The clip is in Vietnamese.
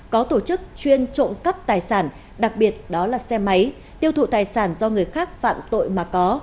có tổ chức chuyên trộm cắp tài sản đặc biệt đó là xe máy tiêu thụ tài sản do người khác phạm tội mà có